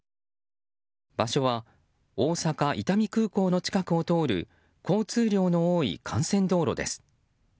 場所は大阪・伊丹空港の近くを通る交通量の多い幹線道路です。